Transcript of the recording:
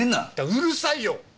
うるさいよっ‼